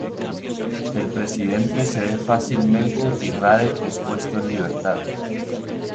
El presidente cede fácilmente y Radek es puesto en libertad.